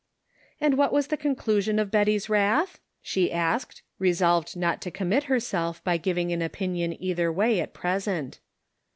" And what was the conclusion of Betty's wrath ?" she asked, resolved not to commit herself by giving an opinion either way at present.